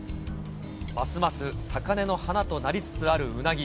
ますます高根の花となりつつあるうなぎ。